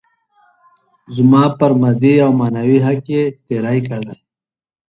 زما پر مادي او معنوي حق يې تېری کړی.